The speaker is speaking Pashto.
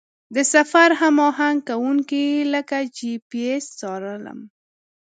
د سفر هماهنګ کوونکي لکه جي پي اس څارلم.